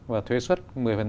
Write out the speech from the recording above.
và thuế xuất một mươi